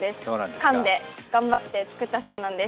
かんで頑張って作ったそうです。